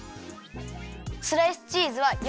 スライスチーズは４